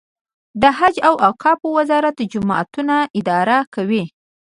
د حج او اوقافو وزارت جوماتونه اداره کوي